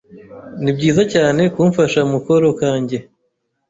Nibyiza cyane kumfasha mukoro kanjye.